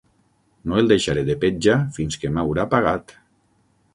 No el deixaré de petja fins que m'haurà pagat.